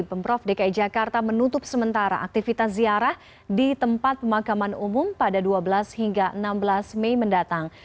pemprov dki jakarta menutup sementara aktivitas ziarah di tempat pemakaman umum pada dua belas hingga enam belas mei mendatang